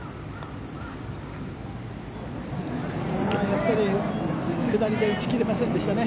やっぱり下りで打ち切れませんでしたね。